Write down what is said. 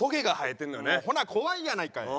ほな怖いやないかい。